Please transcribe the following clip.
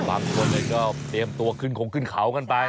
พร้อมทุกคนเลยก็เตรียมตัวขึ้นของขึ้นเขากันไป